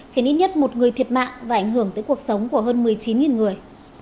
khiến ít nhất một người thiệt mạng và ảnh hưởng tới cuộc sống của hơn một mươi chín người